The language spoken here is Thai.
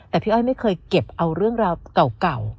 แต่พี่อ้อยไม่เคยเก็บเอาเรื่องราวเก่า